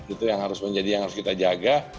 itu yang harus menjadi yang harus kita jaga